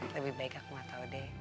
lebih baik aku gak tau deh